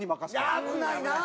危ないなあ！